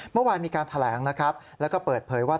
เมื่อวานมีการแถลงและเปิดเผยว่า